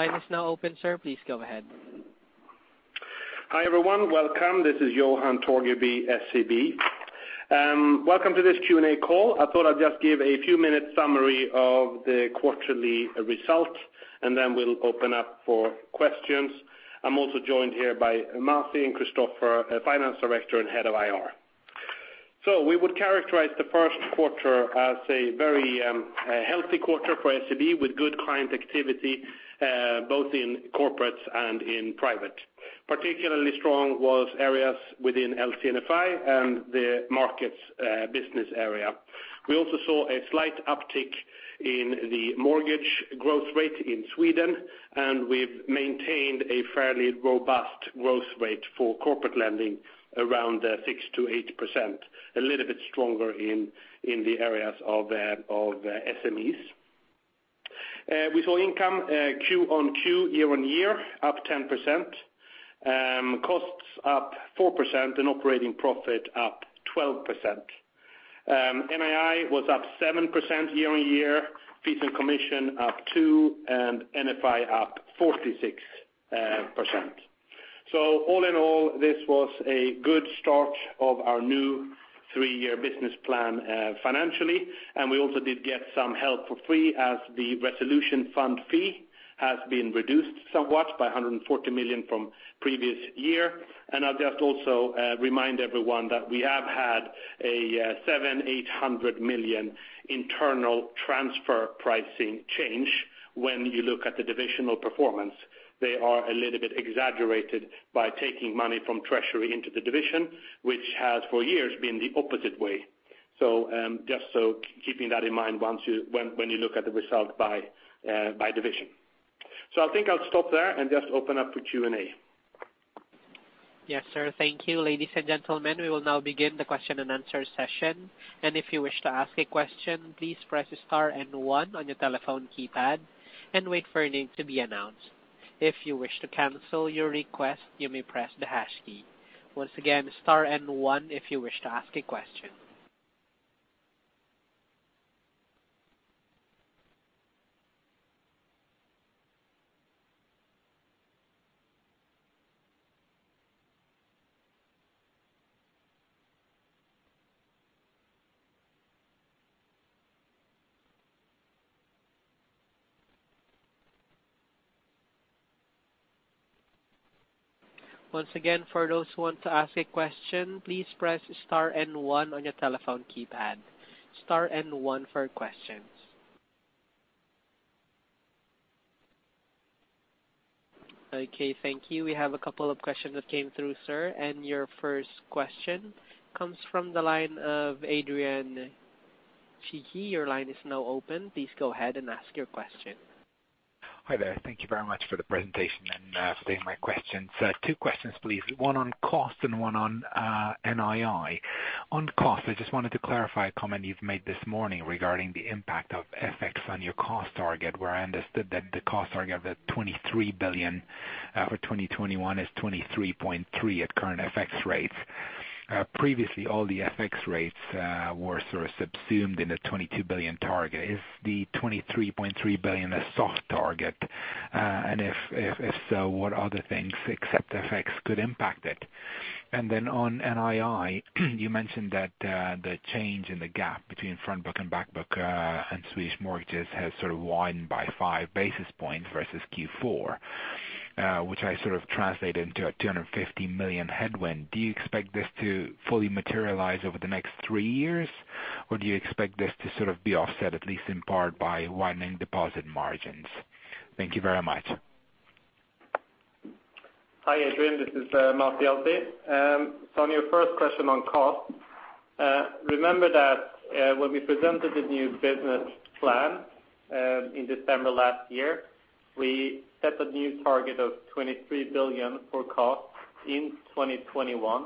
Line is now open, sir. Please go ahead. Hi, everyone. Welcome. This is Johan Torgeby, SEB. Welcome to this Q&A call. I thought I'd just give a few minute summary of the quarterly results, and then we'll open up for questions. I'm also joined here by Masih and Christoffer, Finance Director and Head of IR. We would characterize the first quarter as a very healthy quarter for SEB, with good client activity both in corporates and in private. Particularly strong was areas within LC&FI and the markets business area. We also saw a slight uptick in the mortgage growth rate in Sweden, and we've maintained a fairly robust growth rate for corporate lending around 6%-8%, a little bit stronger in the areas of SMEs. We saw income Q on Q, year-on-year up 10%, costs up 4%, and operating profit up 12%. NII was up 7% year-on-year, fees and commission up 2%, and NFI up 46%. All in all, this was a good start of our new three-year business plan financially. We also did get some help for free as the resolution fund fee has been reduced somewhat by 140 million from previous year. I'll just also remind everyone that we have had a 700 million-800 million internal transfer pricing change. When you look at the divisional performance, they are a little bit exaggerated by taking money from treasury into the division, which has for years been the opposite way. Just keeping that in mind when you look at the result by division. I think I'll stop there and just open up for Q&A. Yes, sir. Thank you. Ladies and gentlemen, we will now begin the question and answer session. If you wish to ask a question, please press star and one on your telephone keypad and wait for your name to be announced. If you wish to cancel your request, you may press the hash key. Once again, star and one if you wish to ask a question. Once again, for those who want to ask a question, please press star and one on your telephone keypad. Star and one for questions. Okay, thank you. We have a couple of questions that came through, sir. Your first question comes from the line of Adrian Cighi. Your line is now open. Please go ahead and ask your question. Hi there. Thank you very much for the presentation and for taking my questions. Two questions please. One on cost and one on NII. On cost, I just wanted to clarify a comment you've made this morning regarding the impact of FX on your cost target, where I understood that the cost target of 23 billion for 2021 is 23.3 billion at current FX rates. Previously all the FX rates were sort of subsumed in the 22 billion target. Is the 23.3 billion a soft target? If so, what other things except FX could impact it? On NII, you mentioned that the change in the gap between front book and back book and Swedish mortgages has sort of widened by 5 basis points versus Q4, which I sort of translated into a 250 million headwind. Do you expect this to fully materialize over the next 3 years, or do you expect this to sort of be offset at least in part by widening deposit margins? Thank you very much. Hi, Adrian, this is Masih Yazdi. On your first question on cost, remember that when we presented the new business plan in December last year, we set a new target of 23 billion for cost in 2021.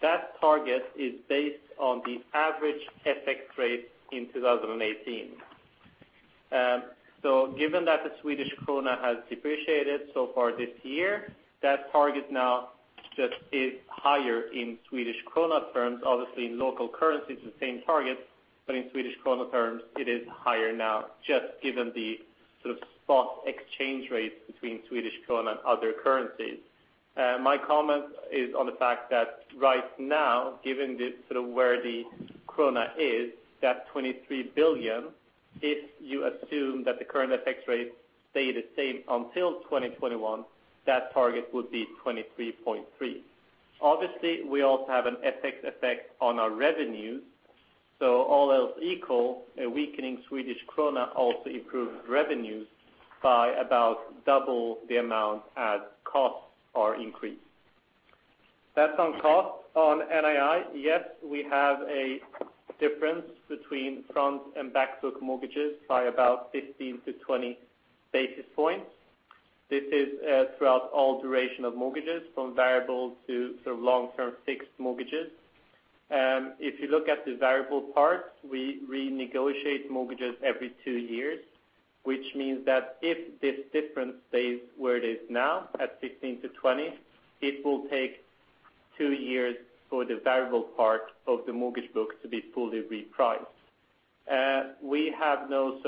That target is based on the average FX rate in 2018. Given that the Swedish krona has depreciated so far this year, that target now just is higher in Swedish krona terms. Obviously in local currency it's the same target, but in Swedish krona terms it is higher now just given the spot exchange rates between Swedish krona and other currencies. My comment is on the fact that right now, given where the krona is, that 23 billion, if you assume that the current FX rates stay the same until 2021, that target would be 23.3 billion. Obviously we also have an FX effect on our revenues, all else equal, a weakening Swedish krona also improves revenues by about double the amount as costs are increased. That's on cost. On NII, yes, we have a difference between front and back book mortgages by about 15-20 basis points. This is throughout all duration of mortgages, from variable to long-term fixed mortgages. If you look at the variable part, we renegotiate mortgages every 2 years, which means that if this difference stays where it is now at 15 to 20, it will take Two years for the variable part of the mortgage book to be fully repriced. We have no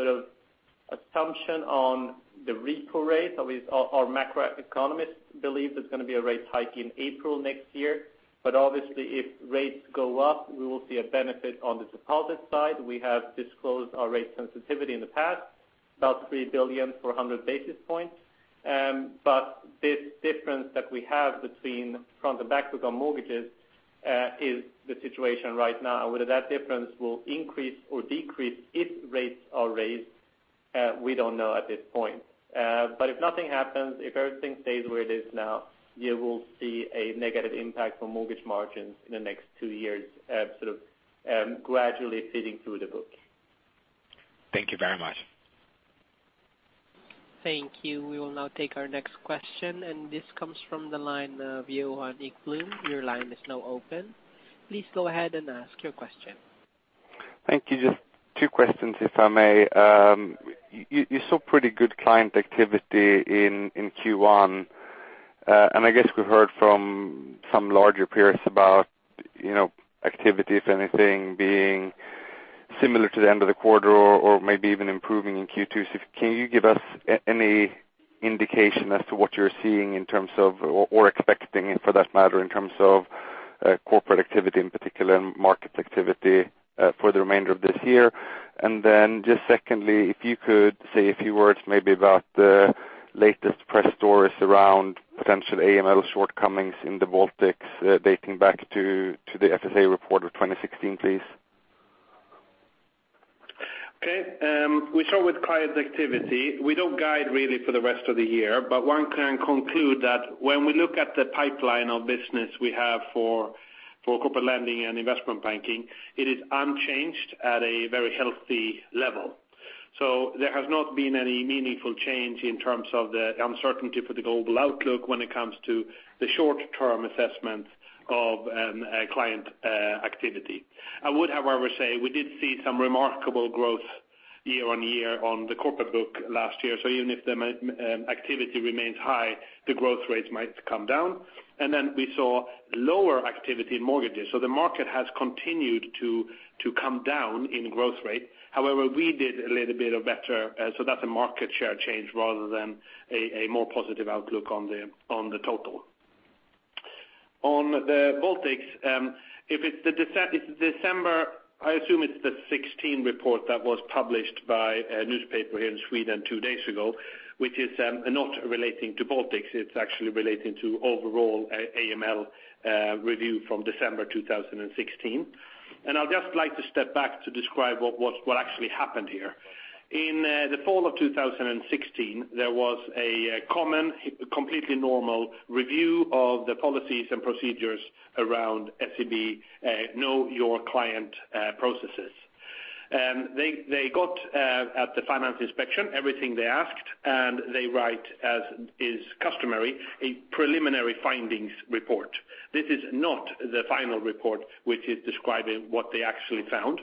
assumption on the repo rate. Our macroeconomists believe there's going to be a rate hike in April next year. Obviously, if rates go up, we will see a benefit on the deposit side. We have disclosed our rate sensitivity in the past, about 3 billion for 100 basis points. This difference that we have between front and back book on mortgages, is the situation right now. Whether that difference will increase or decrease if rates are raised, we don't know at this point. If nothing happens, if everything stays where it is now, you will see a negative impact on mortgage margins in the next two years, gradually feeding through the book. Thank you very much. Thank you. We will now take our next question. This comes from the line of Johan Ekblom. Your line is now open. Please go ahead and ask your question. Thank you. Just two questions, if I may. You saw pretty good client activity in Q1. I guess we've heard from some larger peers about activity, if anything, being similar to the end of the quarter or maybe even improving in Q2. Can you give us any indication as to what you're seeing or expecting, for that matter, in terms of corporate activity in particular and market activity for the remainder of this year? Just secondly, if you could say a few words maybe about the latest press stories around potential AML shortcomings in the Baltics dating back to the Finansinspektionen report of 2016, please. Okay. We start with client activity. We don't guide really for the rest of the year, but one can conclude that when we look at the pipeline of business we have for corporate lending and investment banking, it is unchanged at a very healthy level. There has not been any meaningful change in terms of the uncertainty for the global outlook when it comes to the short-term assessment of client activity. I would, however, say we did see some remarkable growth year-on-year on the corporate book last year. Even if the activity remains high, the growth rates might come down. We saw lower activity in mortgages. The market has continued to come down in growth rate. However, we did a little bit of better, so that's a market share change rather than a more positive outlook on the total. On the Baltics, if it's the December, I assume it's the 2016 report that was published by a newspaper here in Sweden two days ago, which is not relating to Baltics. It's actually relating to overall AML review from December 2016. I'd just like to step back to describe what actually happened here. In the fall of 2016, there was a common, completely normal review of the policies and procedures around SEB Know Your Client processes. They got at Finansinspektionen everything they asked, and they write, as is customary, a preliminary findings report. This is not the final report, which is describing what they actually found.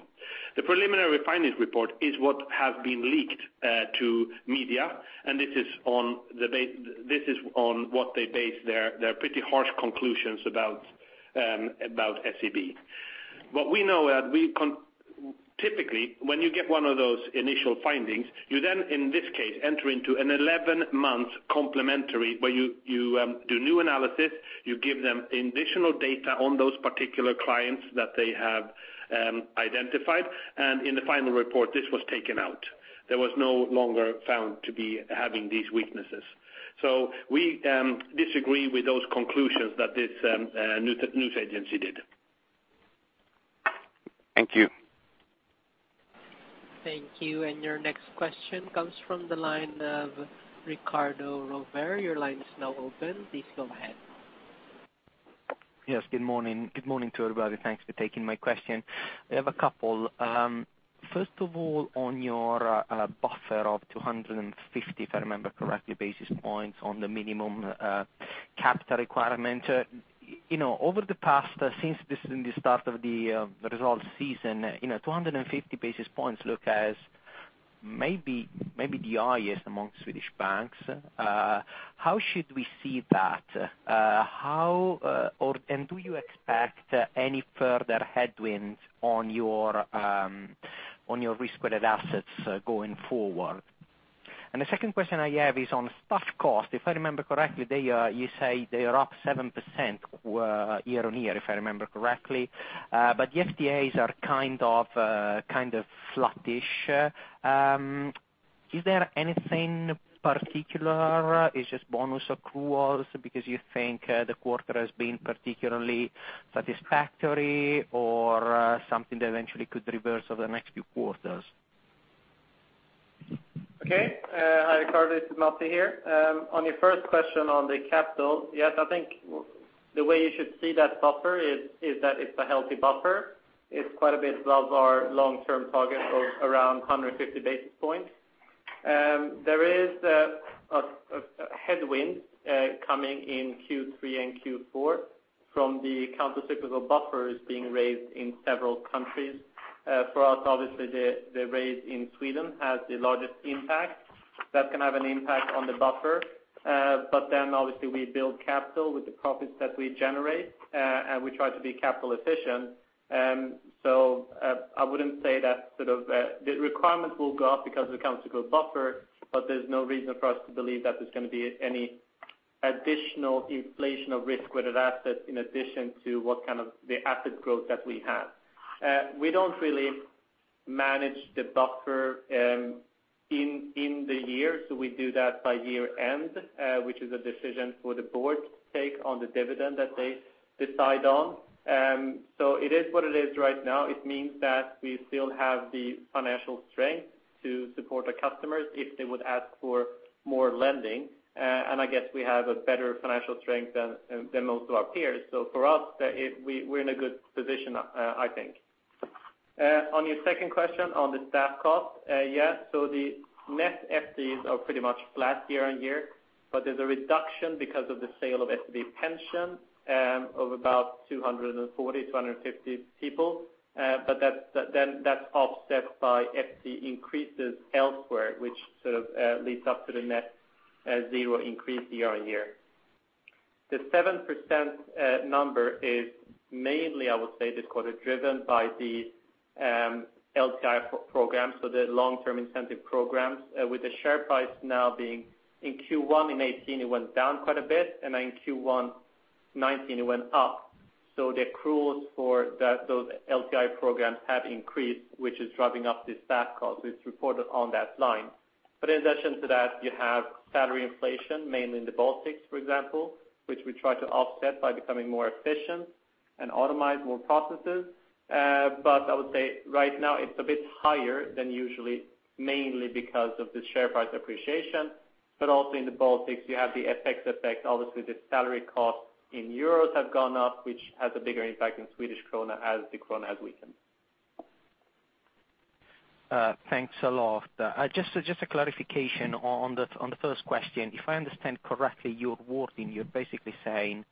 The preliminary findings report is what has been leaked to media, and this is on what they base their pretty harsh conclusions about SEB. What we know, typically, when you get one of those initial findings, you then, in this case, enter into an 11-month complementary where you do new analysis, you give them additional data on those particular clients that they have identified. In the final report, this was taken out. There was no longer found to be having these weaknesses. We disagree with those conclusions that this news agency did. Thank you. Thank you. Your next question comes from the line of Riccardo Rovere. Your line is now open. Please go ahead. Yes, good morning. Good morning to everybody. Thanks for taking my question. I have a couple. First of all, on your buffer of 250, if I remember correctly, basis points on the minimum capital requirement. Over the past, since this is in the start of the results season, 250 basis points look as maybe the highest among Swedish banks. How should we see that? Do you expect any further headwinds on your risk-weighted assets going forward? The second question I have is on staff cost. If I remember correctly, you say they are up 7% year-on-year, if I remember correctly. But the FTEs are flat-ish. Is there anything particular? It's just bonus accruals because you think the quarter has been particularly satisfactory or something that eventually could reverse over the next few quarters? Okay. Hi Riccardo, it's Masih here. On your first question on the capital, yes, I think the way you should see that buffer is that it's a healthy buffer. It's quite a bit above our long-term target of around 150 basis points. There is a headwind coming in Q3 and Q4 from the countercyclical buffers being raised in several countries. For us, obviously, the raise in Sweden has the largest impact. That can have an impact on the buffer. Obviously we build capital with the profits that we generate, and we try to be capital efficient. I wouldn't say that the requirements will go up because it comes to good buffer, but there's no reason for us to believe that there's going to be any additional inflation of risk-weighted assets in addition to what kind of the asset growth that we have. We don't really manage the buffer in the year, we do that by year-end, which is a decision for the board to take on the dividend that they decide on. It is what it is right now. It means that we still have the financial strength to support our customers if they would ask for more lending. I guess we have a better financial strength than most of our peers. For us, we're in a good position, I think. On your second question on the staff cost. Yes. The net FTEs are pretty much flat year-on-year, but there's a reduction because of the sale of SEB Pension of about 240 to 250 people. That's offset by FTE increases elsewhere, which sort of leads up to the net zero increase year-on-year. The 7% number is mainly, I would say, this quarter driven by the LTI program, so the long-term incentive programs, with the share price now being in Q1 2018, it went down quite a bit, and then in Q1 2019, it went up. The accruals for those LTI programs have increased, which is driving up the staff cost. It's reported on that line. In addition to that, you have salary inflation, mainly in the Baltics, for example, which we try to offset by becoming more efficient and automate more processes. I would say right now it's a bit higher than usually, mainly because of the share price appreciation. Also in the Baltics, you have the FX effect. Obviously, the salary costs in EUR have gone up, which has a bigger impact in SEK as the SEK has weakened. Thanks a lot. Just a clarification on the first question. If I understand correctly, your wording, you're basically saying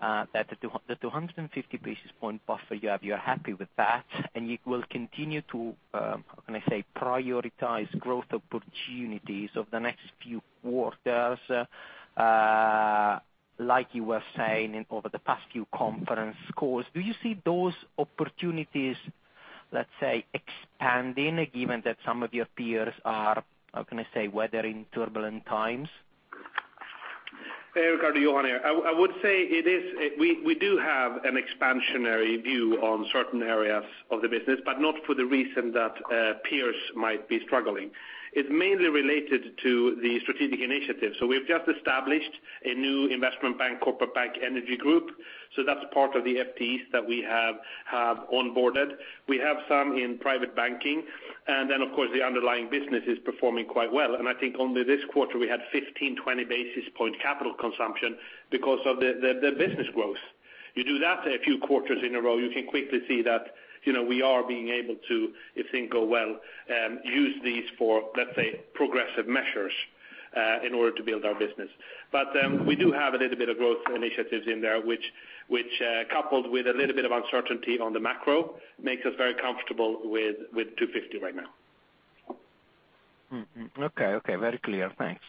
that the 250 basis point buffer you have, you are happy with that, and you will continue to, how can I say, prioritize growth opportunities over the next few quarters, like you were saying over the past few conference calls. Do you see those opportunities, let's say, expanding, given that some of your peers are, how can I say, weathering turbulent times? Hey, Riccardo. Johan here. I would say we do have an expansionary view on certain areas of the business, not for the reason that peers might be struggling. It's mainly related to the strategic initiatives. We've just established a new investment bank, Corporate Bank Energy Group. That's part of the FTEs that we have onboarded. We have some in private banking, and then of course, the underlying business is performing quite well. I think only this quarter, we had 15-20 basis point capital consumption because of the business growth. You do that a few quarters in a row, you can quickly see that we are being able to, if things go well, use these for, let's say, progressive measures in order to build our business. We do have a little bit of growth initiatives in there, which coupled with a little bit of uncertainty on the macro, makes us very comfortable with 250 right now. Okay. Very clear. Thanks.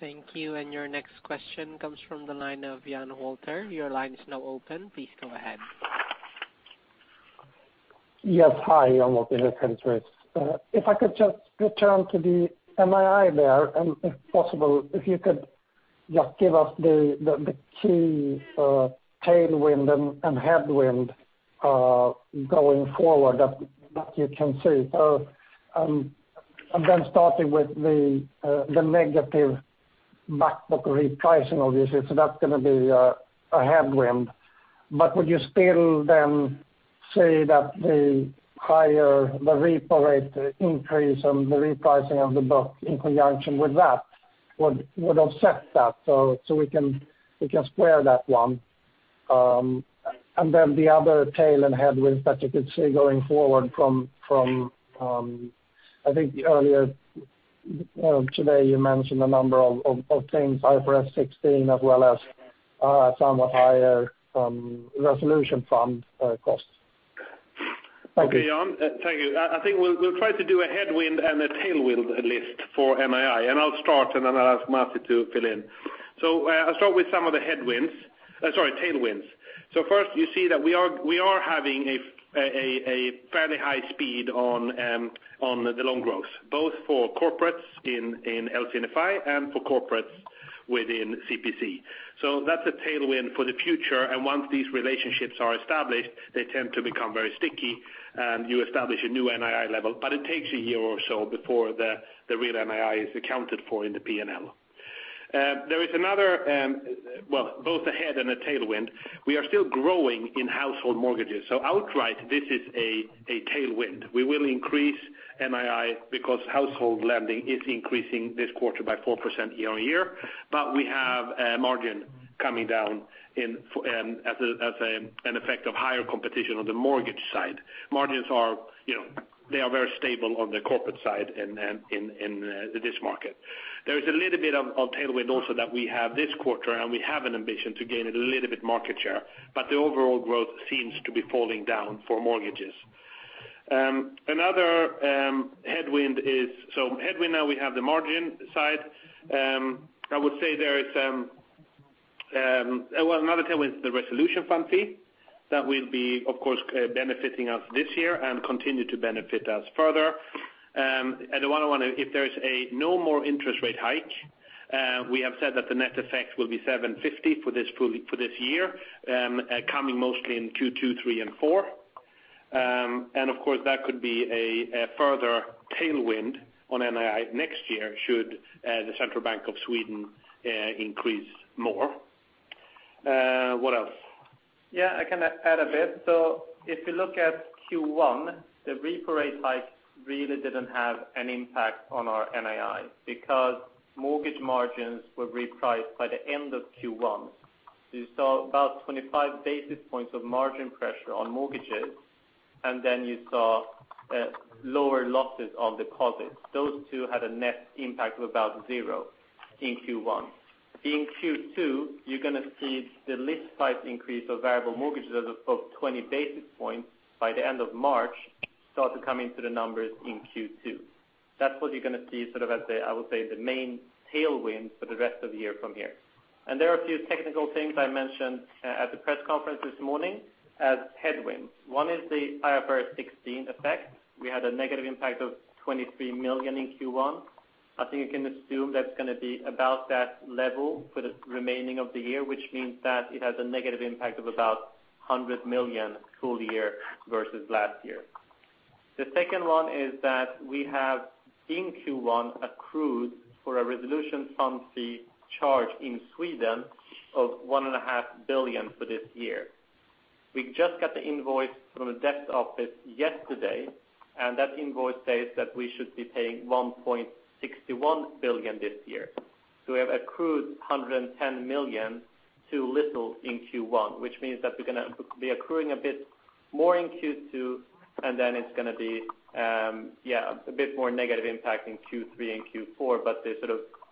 Thank you. Your next question comes from the line of Jan Wolter. Your line is now open. Please go ahead. Yes. Hi, Jan Wolter, Credit Suisse. If I could just return to the NII there and if possible, if you could just give us the key tailwind and headwind going forward that you can see. Starting with the negative back book repricing obviously, that's going to be a headwind. Would you still then say that the higher the repo rate increase and the repricing of the book in conjunction with that would offset that? We can square that one. The other tail and headwind that you could see going forward from, I think earlier today you mentioned a number of things, IFRS 16 as well as somewhat higher resolution fund costs. Thank you. Okay, Jan. Thank you. I think we'll try to do a headwind and a tailwind list for NII, I'll start, then I'll ask Masih to fill in. I'll start with some of the headwinds, sorry, tailwinds. First, you see that we are having a fairly high speed on the loan growth, both for corporates in LC&FI and for corporates within C&PC. That's a tailwind for the future. Once these relationships are established, they tend to become very sticky, and you establish a new NII level, but it takes a year or so before the real NII is accounted for in the P&L. There is another, well, both a head and a tailwind. We are still growing in household mortgages. Outright, this is a tailwind. We will increase NII because household lending is increasing this quarter by 4% year-on-year. We have a margin coming down as an effect of higher competition on the mortgage side. Margins are very stable on the corporate side in this market. There is a little bit of tailwind also that we have this quarter, and we have an ambition to gain a little bit market share. The overall growth seems to be falling down for mortgages Another headwind is the margin side. Another tailwind is the resolution fund fee that will be, of course, benefiting us this year and continue to benefit us further. If there's no more interest rate hike, we have said that the net effect will be 750 for this year, coming mostly in Q2, three, and four. Of course, that could be a further tailwind on NII next year should the Central Bank of Sweden increase more. What else? Yeah, I can add a bit. If you look at Q1, the repo rate hike really didn't have an impact on our NII because mortgage margins were repriced by the end of Q1. You saw about 25 basis points of margin pressure on mortgages, and then you saw lower losses on deposits. Those two had a net impact of about zero in Q1. In Q2, you're going to see the list price increase of variable mortgages of above 20 basis points by the end of March start to come into the numbers in Q2. That's what you're going to see as the main tailwind for the rest of the year from here. There are a few technical things I mentioned at the press conference this morning as headwinds. One is the IFRS 16 effect. We had a negative impact of 23 million in Q1. I think you can assume that's going to be about that level for the remaining of the year, which means that it has a negative impact of about 100 million full year versus last year. The second one is that we have, in Q1, accrued for a resolution fund fee charge in Sweden of 1.5 billion for this year. We just got the invoice from the debt office yesterday, and that invoice says that we should be paying 1.61 billion this year. We have accrued 110 million too little in Q1, which means that we're going to be accruing a bit more in Q2, and then it's going to be a bit more negative impact in Q3 and Q4.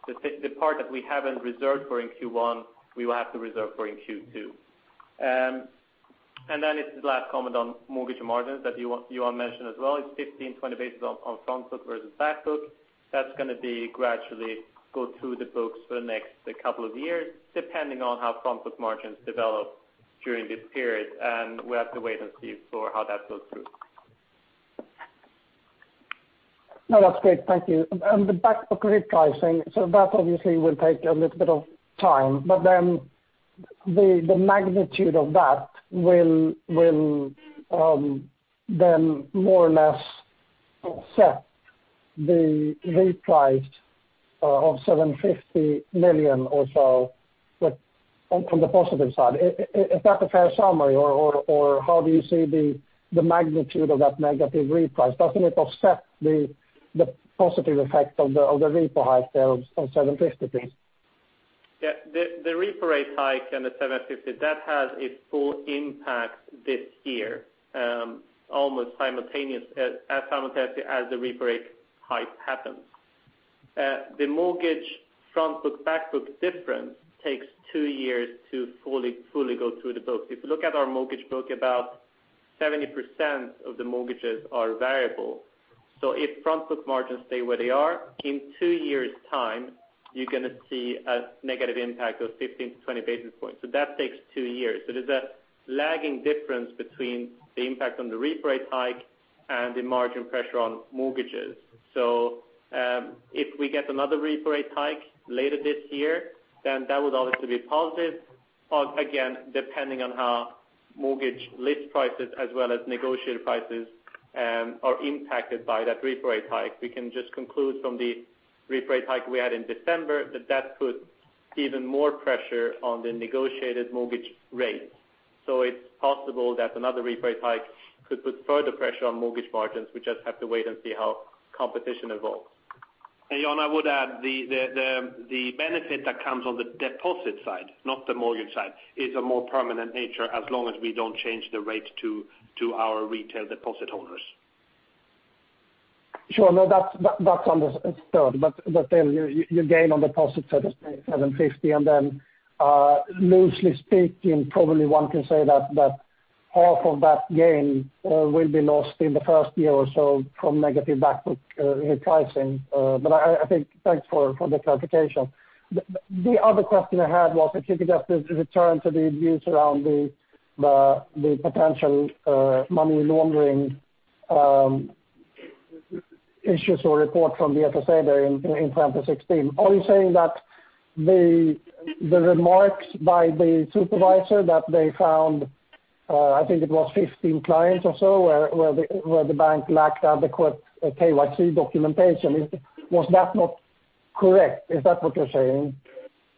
The part that we haven't reserved for in Q1, we will have to reserve for in Q2. It's the last comment on mortgage margins that Johan mentioned as well. It's 15-20 basis on front book versus back book. That's going to gradually go through the books for the next two years, depending on how front book margins develop during this period. We have to wait and see for how that goes through. No, that's great. Thank you. On the back book repricing, that obviously will take a little bit of time, the magnitude of that will then more or less set the reprice of 750 million or so from the positive side. Is that a fair summary, or how do you see the magnitude of that negative reprice? Doesn't it offset the positive effect of the repo hike there of 750 base? The repo rate hike and the 750 million, that has its full impact this year almost as simultaneously as the repo rate hike happened. The mortgage front book, back book difference takes two years to fully go through the books. If you look at our mortgage book, about 70% of the mortgages are variable. If front book margins stay where they are, in two years' time, you're going to see a negative impact of 15-20 basis points. That takes two years. There's a lagging difference between the impact on the repo rate hike and the margin pressure on mortgages. If we get another repo rate hike later this year, that would obviously be positive. Again, depending on how mortgage list prices as well as negotiated prices are impacted by that repo rate hike. We can just conclude from the repo rate hike we had in December that that put even more pressure on the negotiated mortgage rates. It's possible that another repo rate hike could put further pressure on mortgage margins. We just have to wait and see how competition evolves. Johan, I would add the benefit that comes on the deposit side, not the mortgage side, is a more permanent nature as long as we don't change the rate to our retail deposit holders. Sure. No, that's understood. You gain on deposits at 750 and then loosely speaking, probably one can say that half of that gain will be lost in the first year or so from negative back book repricing. I think thanks for the clarification. The other question I had was if you could just return to the views around the potential money laundering issues or report from the Finansinspektionen there in 2016. Are you saying that the remarks by the supervisor that they found, I think it was 15 clients or so, where the bank lacked adequate KYC documentation, was that not correct? Is that what you're saying?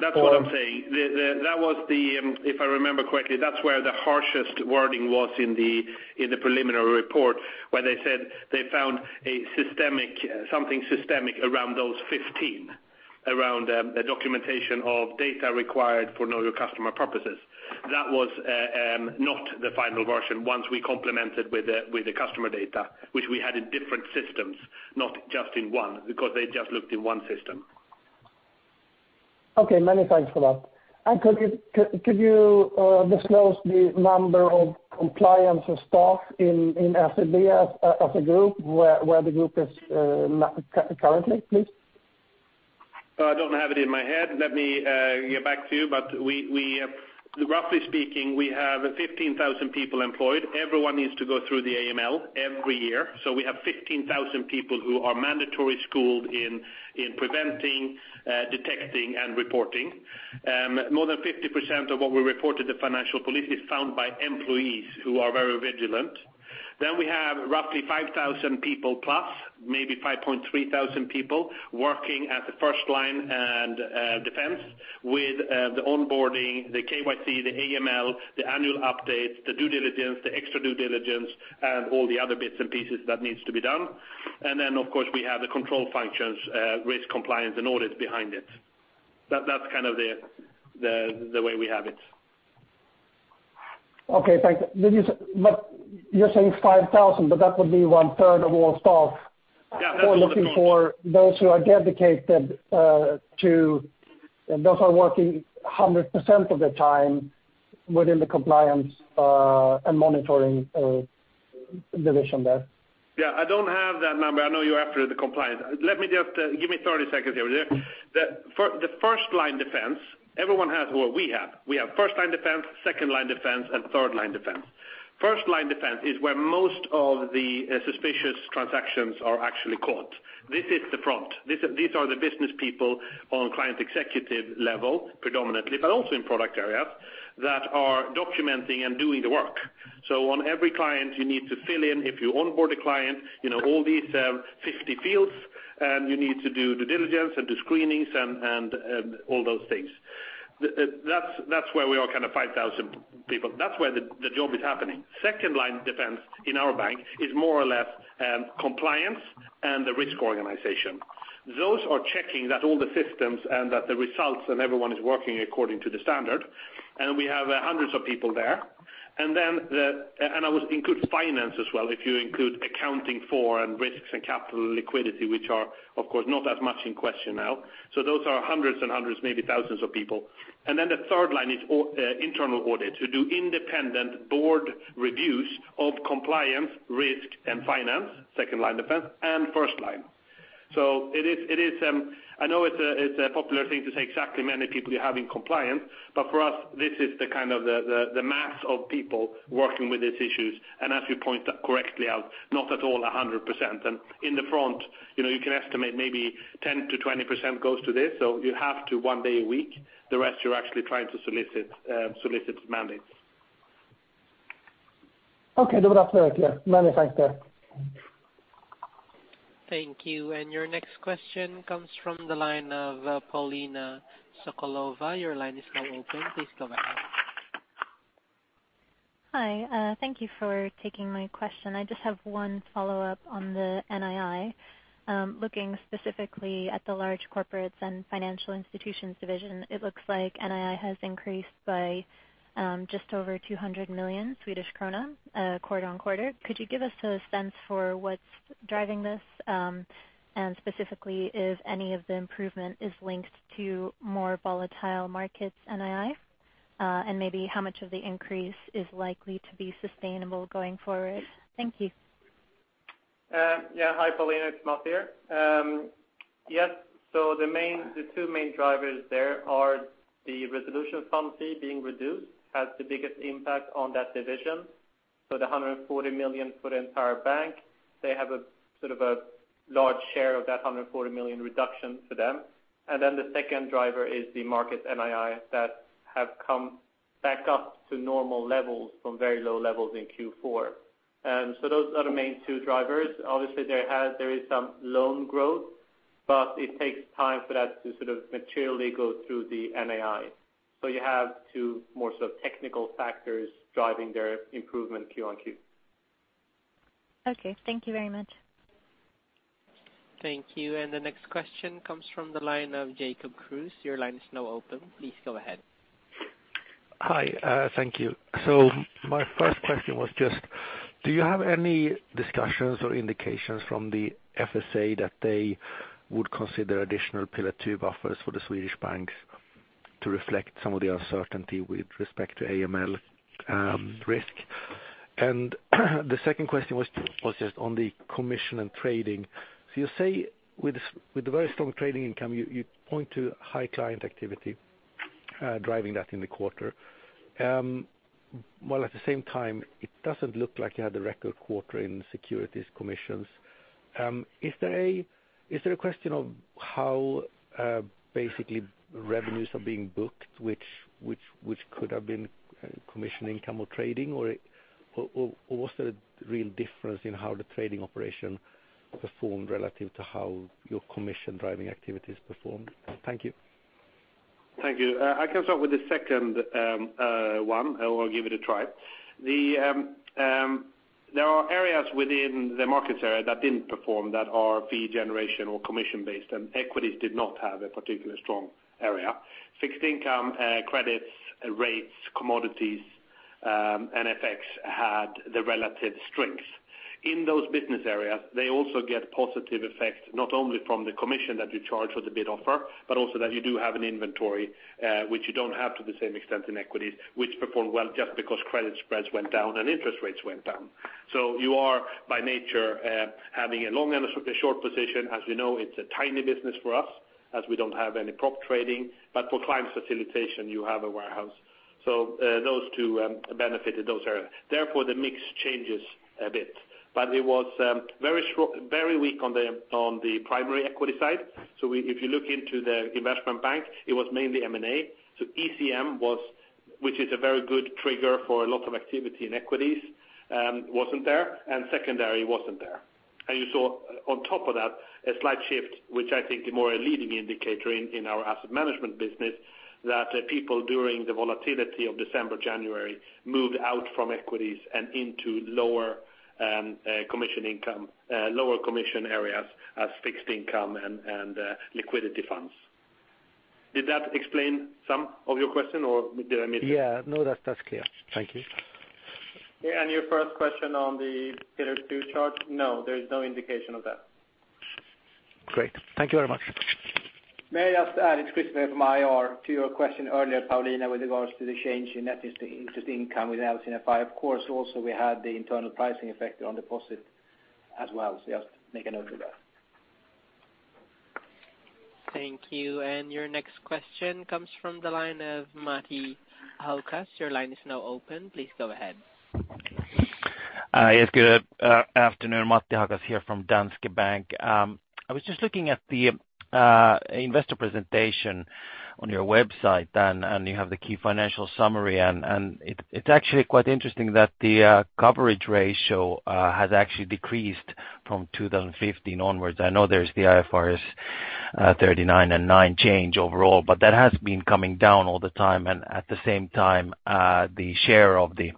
That's what I'm saying. If I remember correctly, that's where the harshest wording was in the preliminary report, where they said they found something systemic around those 15, around the documentation of data required for know your customer purposes. That was not the final version once we complemented with the customer data, which we had in different systems, not just in one, because they just looked in one system. Okay, many thanks for that. Could you disclose the number of compliance staff in SEB as a group where the group is currently, please? I don't have it in my head. Let me get back to you. Roughly speaking, we have 15,000 people employed. Everyone needs to go through the AML every year. We have 15,000 people who are mandatory schooled in preventing, detecting, and reporting. More than 50% of what we report to the financial police is found by employees who are very vigilant. We have roughly 5,000 people plus, maybe 5,300 people working at the first line and defense with the onboarding, the KYC, the AML, the annual updates, the due diligence, the extra due diligence, and all the other bits and pieces that needs to be done. Of course, we have the control functions, risk compliance, and audit behind it. That's the way we have it. Okay, thanks. You're saying 5,000, but that would be one third of all staff. Yeah. We're looking for those who are dedicated to and those are working 100% of their time within the compliance and monitoring division there. Yeah. I don't have that number. I know you're after the compliance. Give me 30 seconds here. The first-line defense, everyone has what we have. We have first-line defense, second-line defense, and third-line defense. First-line defense is where most of the suspicious transactions are actually caught. This is the front. These are the business people on client executive level, predominantly, but also in product areas, that are documenting and doing the work. On every client, you need to fill in, if you onboard a client, all these 50 fields, and you need to do due diligence and do screenings and all those things. That's where we are 5,000 people. That's where the job is happening. Second-line defense in our bank is more or less compliance and the risk organization. Those are checking that all the systems and that the results and everyone is working according to the standard. We have hundreds of people there. I would include finance as well, if you include accounting for and risks and capital liquidity, which are, of course, not as much in question now. Those are hundreds and hundreds, maybe thousands of people. The third line is internal audit who do independent board reviews of compliance, risk, and finance, second-line defense, and first line. I know it's a popular thing to say exactly many people you have in compliance. For us, this is the mass of people working with these issues. As you point correctly out, not at all 100%. In the front, you can estimate maybe 10%-20% goes to this, so you have to one day a week, the rest are actually trying to solicit mandates. Okay. Many thanks. Thank you. Your next question comes from the line of Paulina Sokolova. Your line is now open. Please go ahead. Hi. Thank you for taking my question. I just have one follow-up on the NII. Looking specifically at the Large Corporates & Financial Institutions division, it looks like NII has increased by just over 200 million Swedish krona quarter-on-quarter. Could you give us a sense for what's driving this? Specifically, if any of the improvement is linked to more volatile markets NII? Maybe how much of the increase is likely to be sustainable going forward? Thank you. Hi, Paulina. It's Masih here. The two main drivers there are the resolution fund fee being reduced has the biggest impact on that division. The 140 million for the entire bank, they have a large share of that 140 million reduction for them. The second driver is the market NIIs that have come back up to normal levels from very low levels in Q4. Those are the main two drivers. Obviously, there is some loan growth, but it takes time for that to materially go through the NII. You have two more technical factors driving their improvement Quarter-on-Quarter. Thank you very much. Thank you. The next question comes from the line of Jacob Kruse. Your line is now open. Please go ahead. Hi. Thank you. My first question was just, do you have any discussions or indications from the Finansinspektionen that they would consider additional Pillar 2 buffers for the Swedish banks to reflect some of the uncertainty with respect to AML risk? The second question was just on the commission and trading. You say with the very strong trading income, you point to high client activity driving that in the quarter. While at the same time, it doesn't look like you had the record quarter in securities commissions. Is there a question of how basically revenues are being booked, which could have been commission income or trading, or was there a real difference in how the trading operation performed relative to how your commission-driving activities performed? Thank you. Thank you. I can start with the second one, or give it a try. There are areas within the markets area that didn't perform that are fee generation or commission-based, and equities did not have a particular strong area. Fixed income, credits, rates, commodities, and FX had the relative strength. In those business areas, they also get positive effects, not only from the commission that you charge for the bid offer, but also that you do have an inventory, which you don't have to the same extent in equities, which performed well just because credit spreads went down and interest rates went down. You are by nature, having a long and a short position. As you know, it's a tiny business for us as we don't have any prop trading. For client facilitation, you have a warehouse. Those two benefited those areas. Therefore, the mix changes a bit. It was very weak on the primary equity side. If you look into the investment bank, it was mainly M&A. ECM, which is a very good trigger for a lot of activity in equities, wasn't there, and secondary wasn't there. You saw on top of that, a slight shift, which I think is more a leading indicator in our asset management business, that people during the volatility of December, January, moved out from equities and into lower commission areas as fixed income and liquidity funds. Did that explain some of your question, or did I miss it? No, that's clear. Thank you. Your first question on the Pillar 2 charge, no, there is no indication of that. Great. Thank you very much. May I just add, it's Christoffer from IR, to your question earlier, Paulina, with regards to the change in net interest income with LCFI. Of course, also, we had the internal pricing effect on deposit as well. Just make a note of that. Thank you. Your next question comes from the line of Matti Ahokas. Your line is now open. Please go ahead. Yes, good afternoon, Matti Ahokas here from Danske Bank. I was just looking at the investor presentation on your website, you have the key financial summary, it's actually quite interesting that the coverage ratio has actually decreased from 2015 onwards. I know there's the IAS 39 and 9 change overall, that has been coming down all the time. At the same time, the share of the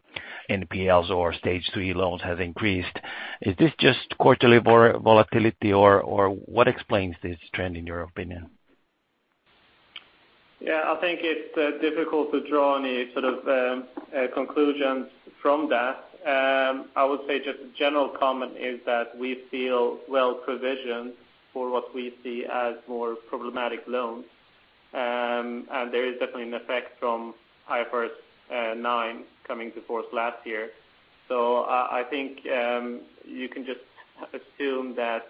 NPLs or Stage 3 loans has increased. Is this just quarterly volatility, or what explains this trend in your opinion? Yeah, I think it's difficult to draw any sort of conclusions from that. I would say just a general comment is that we feel well provisioned for what we see as more problematic loans. There is definitely an effect from IFRS 9 coming to force last year. I think you can just assume that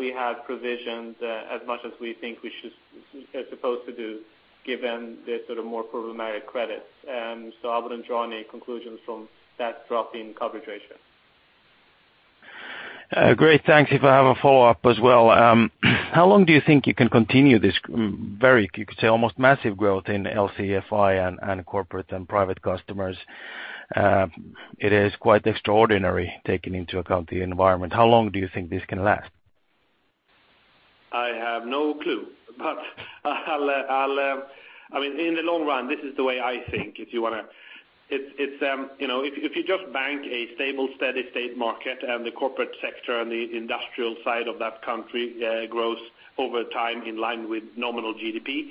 we have provisions as much as we think we're supposed to do given the more problematic credits. I wouldn't draw any conclusions from that drop in coverage ratio. Great. Thanks. If I have a follow-up as well. How long do you think you can continue this very, you could say, almost massive growth in LCFI and Corporate and Private Customers? It is quite extraordinary taken into account the environment. How long do you think this can last? I have no clue. In the long run, this is the way I think. If you just bank a stable, steady state market and the corporate sector and the industrial side of that country grows over time in line with nominal GDP,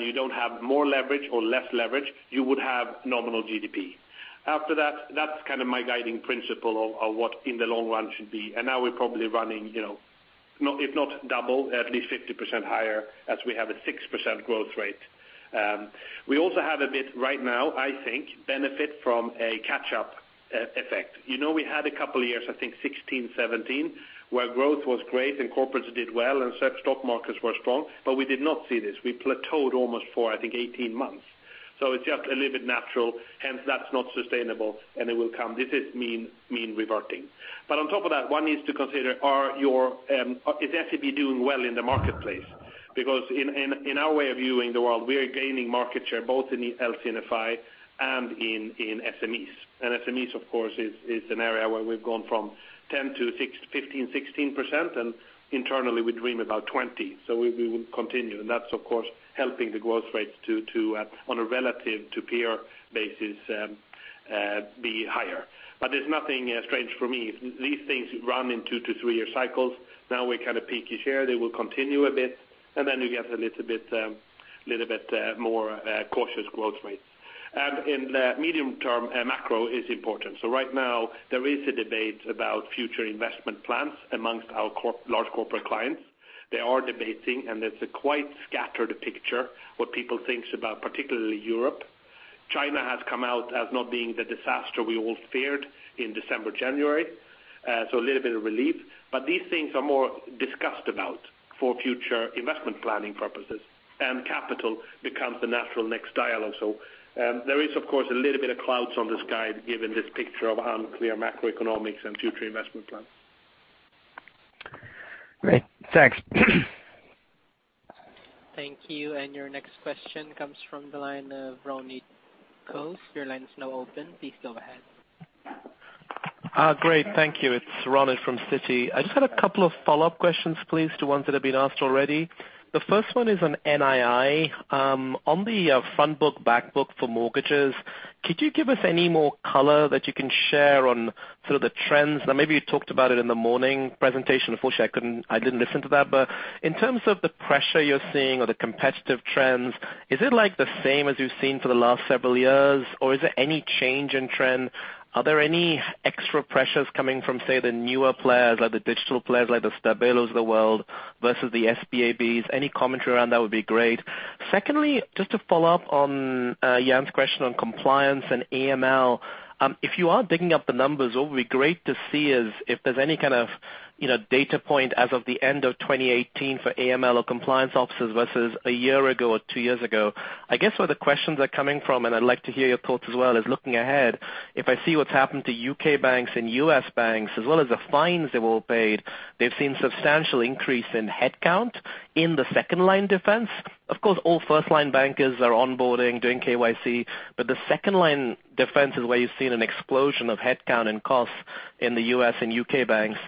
you don't have more leverage or less leverage, you would have nominal GDP. After that's my guiding principle of what in the long run should be. Now we're probably running, if not double, at least 50% higher as we have a 6% growth rate. We also have a bit right now, I think, benefit from a catch-up effect. We had a couple of years, I think 2016, 2017, where growth was great and corporates did well and stock markets were strong, we did not see this. We plateaued almost for, I think, 18 months. It's just a little bit natural, hence that's not sustainable and it will come. This is mean reverting. On top of that, one needs to consider is SEB doing well in the marketplace? Because in our way of viewing the world, we are gaining market share both in the LCFI and in SMEs. SMEs, of course, is an area where we've gone from 10 to 15, 16%, and internally we dream about 20. We will continue. That's, of course, helping the growth rates on a relative to peer basis be higher. There's nothing strange for me. These things run in two to three-year cycles. Now we peak a share. They will continue a bit, then you get a little bit more cautious growth rates. In the medium term, macro is important. Right now there is a debate about future investment plans amongst our large corporate clients. They are debating, and it's a quite scattered picture what people think about particularly Europe. China has come out as not being the disaster we all feared in December, January. A little bit of relief. But these things are more discussed about for future investment planning purposes, and capital becomes the natural next dialogue. There is, of course, a little bit of clouds on the sky given this picture of unclear macroeconomics and future investment plans. Great. Thanks. Thank you. Your next question comes from the line of Ronit Ghose. Your line is now open. Please go ahead. Great. Thank you. It's Ronit from Citi. I just had a couple of follow-up questions, please, to ones that have been asked already. The first one is on NII. On the front book, back book for mortgages, could you give us any more color that you can share on sort of the trends? Maybe you talked about it in the morning presentation. Unfortunately, I didn't listen to that. In terms of the pressure you're seeing or the competitive trends, is it the same as you've seen for the last several years, or is there any change in trend? Are there any extra pressures coming from, say, the newer players, like the digital players, like the Stabelo of the world versus the SBAB? Any commentary around that would be great. Secondly, just to follow up on Jan's question on compliance and AML. If you are digging up the numbers, what would be great to see is if there's any kind of data point as of the end of 2018 for AML or compliance officers versus a year ago or two years ago. I guess where the questions are coming from, and I'd like to hear your thoughts as well, is looking ahead, if I see what's happened to U.K. banks and U.S. banks, as well as the fines they've all paid, they've seen substantial increase in headcount in the second-line defense. Of course, all first-line bankers are onboarding, doing KYC, but the second-line defense is where you've seen an explosion of headcount and costs in the U.S. and U.K. banks.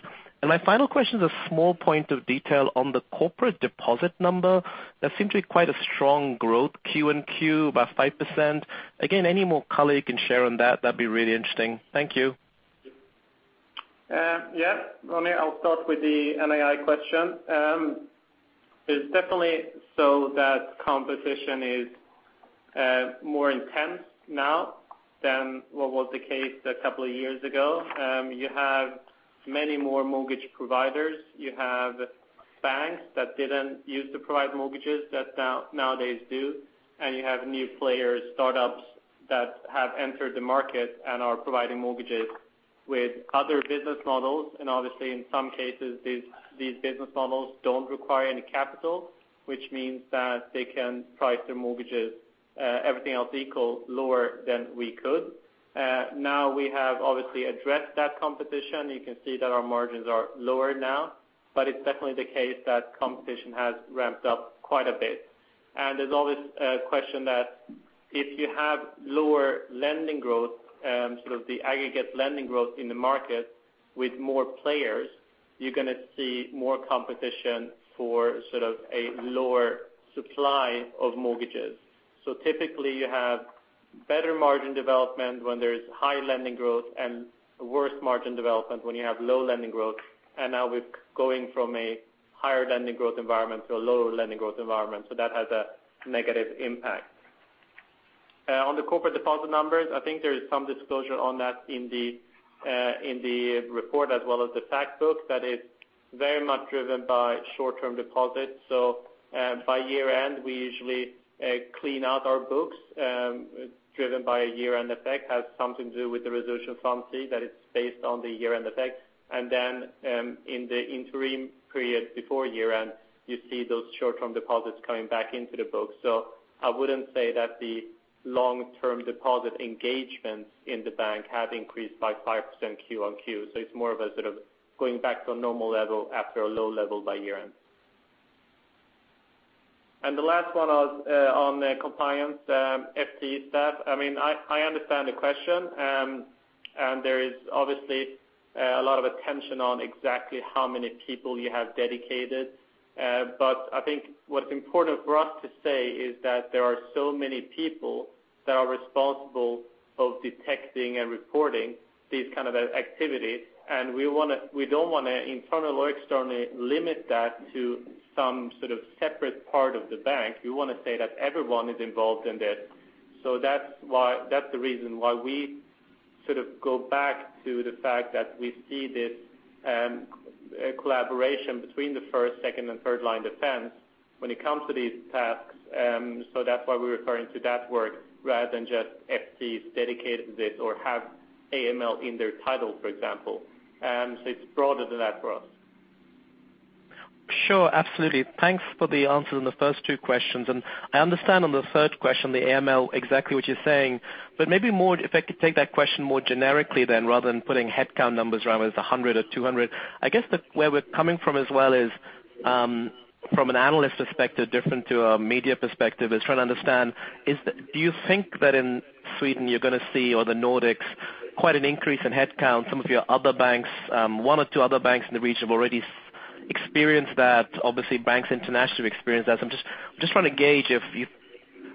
My final question is a small point of detail on the corporate deposit number. There seems to be quite a strong growth Q and Q, about 5%. Any more color you can share on that'd be really interesting. Thank you. Yes. Let me, I'll start with the NII question. It's definitely so that competition is more intense now than what was the case a couple of years ago. You have many more mortgage providers. You have banks that didn't use to provide mortgages that nowadays do. You have new players, startups that have entered the market and are providing mortgages with other business models. Obviously, in some cases, these business models don't require any capital, which means that they can price their mortgages, everything else equal, lower than we could. Now we have obviously addressed that competition. You can see that our margins are lower now, but it's definitely the case that competition has ramped up quite a bit. There's always a question that if you have lower lending growth, sort of the aggregate lending growth in the market with more players, you're going to see more competition for a lower supply of mortgages. Typically, you have better margin development when there is high lending growth and worse margin development when you have low lending growth. Now we're going from a higher lending growth environment to a lower lending growth environment. That has a negative impact. On the corporate deposit numbers, I think there is some disclosure on that in the report as well as the fact book that is very much driven by short-term deposits. By year-end, we usually clean out our books driven by a year-end effect. It has something to do with the resolution funding that it's based on the year-end effect. In the interim period before year-end, you see those short-term deposits coming back into the books. I wouldn't say that the long-term deposit engagements in the bank have increased by 5% quarter-on-quarter. It's more of a sort of going back to a normal level after a low level by year-end. The last one on the compliance FTE staff. I understand the question, there is obviously a lot of attention on exactly how many people you have dedicated. I think what's important for us to say is that there are so many people that are responsible of detecting and reporting these kind of activities. We don't want to internally or externally limit that to some sort of separate part of the bank. We want to say that everyone is involved in this. That's the reason why we go back to the fact that we see this collaboration between the first, second, and third-line defense when it comes to these tasks. That's why we're referring to that work rather than just FTEs dedicated this or have AML in their title, for example. It's broader than that for us. Sure, absolutely. Thanks for the answers on the first two questions. I understand on the third question, the AML, exactly what you're saying. Maybe if I could take that question more generically then rather than putting headcount numbers around whether it's 100 or 200. I guess where we're coming from as well is from an analyst perspective, different to a media perspective, is trying to understand, do you think that in Sweden you're going to see, or the Nordics, quite an increase in headcount? Some of your other banks one or two other banks in the region have already experienced that. Obviously, banks internationally have experienced that. I'm just trying to gauge if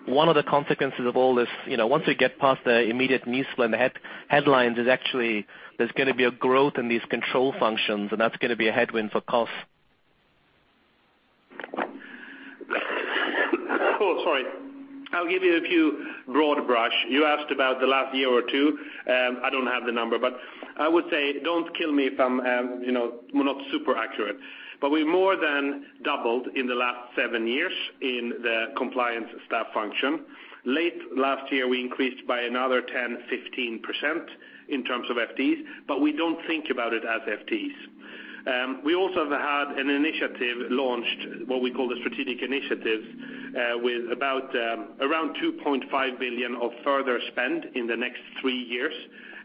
one of the consequences of all this, once we get past the immediate news and the headlines, is actually there's going to be a growth in these control functions and that's going to be a headwind for costs. Sorry. I'll give you a few broad brush. You asked about the last year or two. I don't have the number, but I would say, don't kill me if I'm not super accurate. We more than doubled in the last seven years in the compliance staff function. Late last year, we increased by another 10%-15% in terms of FTEs, but we don't think about it as FTEs. We also have had an initiative launched, what we call the Strategic Initiatives with around 2.5 billion of further spend in the next three years.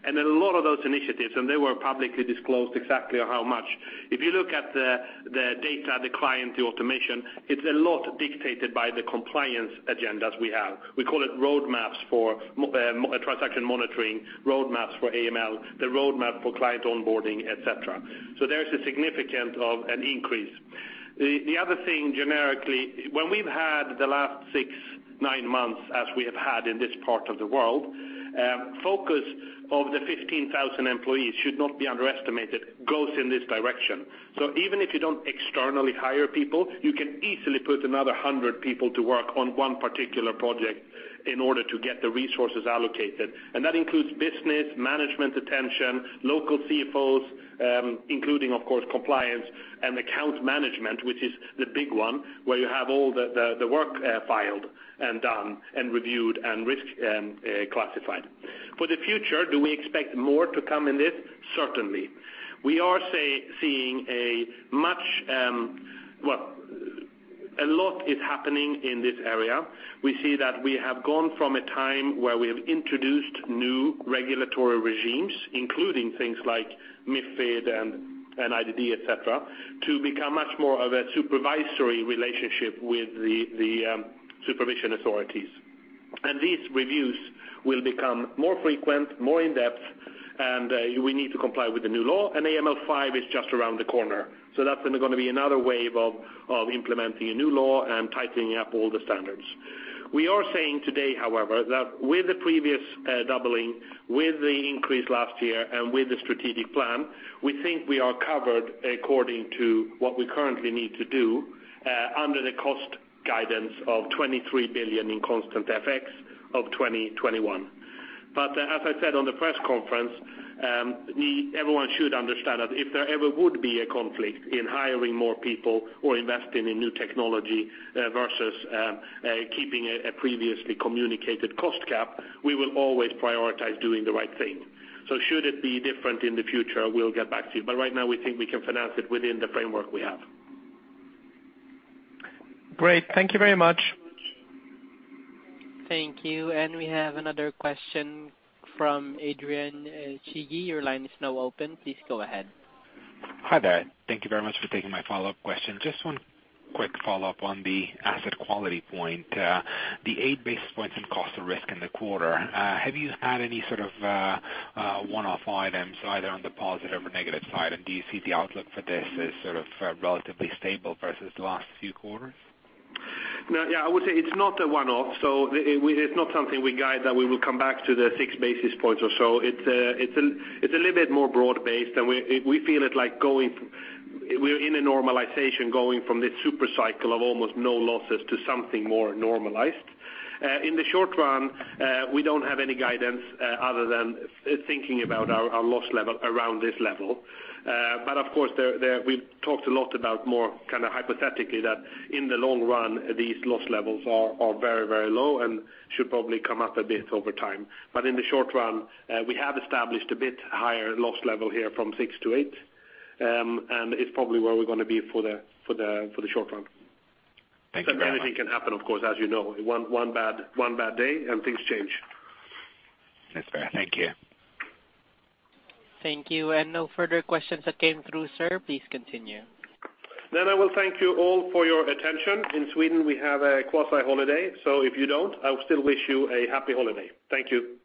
A lot of those initiatives, and they were publicly disclosed exactly how much. If you look at the data, the client, the automation, it's a lot dictated by the compliance agendas we have. We call it roadmaps for transaction monitoring, roadmaps for AML, the roadmap for client onboarding, et cetera. There's a significant of an increase. The other thing generically, when we've had the last six-nine months as we have had in this part of the world, focus of the 15,000 employees should not be underestimated, goes in this direction. Even if you don't externally hire people, you can easily put another 100 people to work on one particular project in order to get the resources allocated. That includes business, management attention, local CFOs, including, of course, compliance and account management, which is the big one, where you have all the work filed and done and reviewed and risk-classified. For the future, do we expect more to come in this? Certainly. We are seeing a lot is happening in this area. We see that we have gone from a time where we have introduced new regulatory regimes, including things like MiFID and IDD, et cetera, to become much more of a supervisory relationship with the supervision authorities. These reviews will become more frequent, more in-depth, and we need to comply with the new law. AMLD5 is just around the corner. That's going to be another wave of implementing a new law and tightening up all the standards. We are saying today, however, that with the previous doubling, with the increase last year, and with the strategic plan, we think we are covered according to what we currently need to do under the cost guidance of 23 billion in constant FX of 2021. As I said on the press conference, everyone should understand that if there ever would be a conflict in hiring more people or investing in new technology versus keeping a previously communicated cost cap, we will always prioritize doing the right thing. Should it be different in the future, we will get back to you. Right now, we think we can finance it within the framework we have. Great. Thank you very much. Thank you. We have another question from Adrian Cighi. Your line is now open. Please go ahead. Hi there. Thank you very much for taking my follow-up question. Just one quick follow-up on the asset quality point. The eight basis points in cost of risk in the quarter, have you had any sort of one-off items either on the positive or negative side? Do you see the outlook for this as sort of relatively stable versus the last few quarters? No. I would say it's not a one-off. It's not something we guide that we will come back to the six basis points or so. It's a little bit more broad-based, and we feel it like we're in a normalization going from this super cycle of almost no losses to something more normalized. In the short run, we don't have any guidance other than thinking about our loss level around this level. Of course, we've talked a lot about more hypothetically that in the long run, these loss levels are very low and should probably come up a bit over time. In the short run, we have established a bit higher loss level here from six to eight, and it's probably where we're going to be for the short run. Thank you very much. Anything can happen, of course, as you know. One bad day and things change. That's fair. Thank you. Thank you. No further questions that came through, sir. Please continue. I will thank you all for your attention. In Sweden, we have a quasi-holiday. If you don't, I will still wish you a happy holiday. Thank you.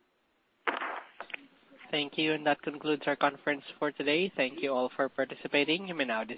Thank you. That concludes our conference for today. Thank you all for participating. You may now disconnect.